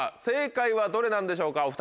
正解はどれなんでしょうか？